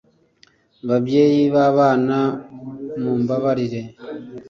babyeyi b’abana mumbabarire